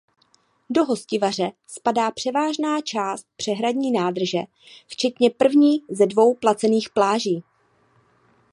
Do Hostivaře spadá převážná část přehradní nádrže včetně první ze dvou placených pláží.